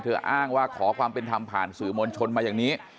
อ้างว่าขอความเป็นธรรมผ่านสื่อมวลชนมาอย่างนี้